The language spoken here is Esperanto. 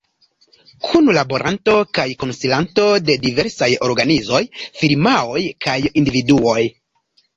Kunlaboranto kaj konsilanto de diversaj organizoj, firmaoj kaj individuoj.